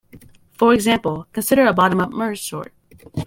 For example, consider a bottom-up merge sort.